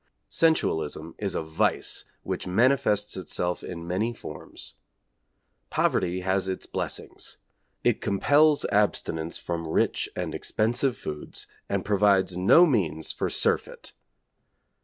Sensualism is a vice which manifests itself in many forms. Poverty has its blessings. It compels abstinence from rich and expensive foods and provides no means for surfeit.